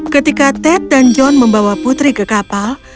ketika ted dan john membawa putri ke kapal